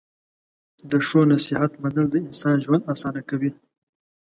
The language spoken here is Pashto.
د ښو نصیحت منل د انسان ژوند اسانه کوي.